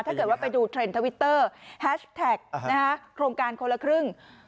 ถ้าเกิดว่าไปดูเทรนด์ทวิตเตอร์แฮชแท็กโครงการคนละครึ่ง